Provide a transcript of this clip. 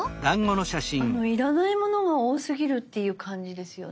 要らないものが多すぎるっていう感じですよね。